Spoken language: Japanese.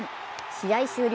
試合終了